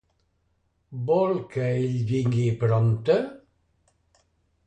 Vol que ell vingui prompte?